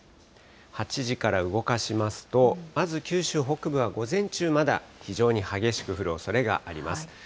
８時から動かしますと、まず九州北部は午前中、まだ非常に激しく降るおそれがあります。